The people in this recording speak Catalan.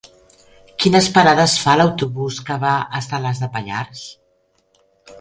Quines parades fa l'autobús que va a Salàs de Pallars?